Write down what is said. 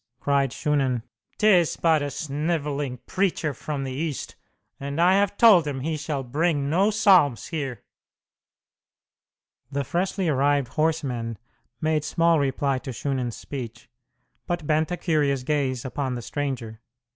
cried Shunan. "'Tis but a sniveling preacher from the East, and I have told him he shall bring no psalms here." The freshly arrived horsemen made small reply to Shunan's speech, but bent a curious gaze upon the stranger.